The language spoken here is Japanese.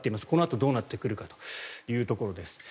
このあとどうなってくるかということです